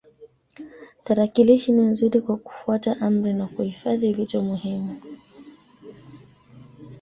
Tarakilishi ni nzuri kwa kufuata amri na kuhifadhi vitu muhimu.